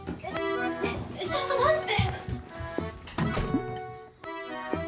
ちょっと待って！